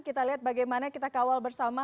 kita lihat bagaimana kita kawal bersama